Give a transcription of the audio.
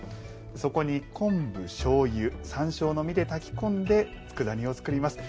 そこに、昆布、しょうゆ山椒の実で炊き込んでつくだ煮を作ります。